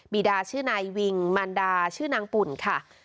ีดาชื่อนายวิงมันดาชื่อนางปุ่นค่ะ